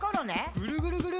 ぐるぐるぐる。